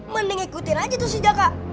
mending ikutin aja tuh si jaka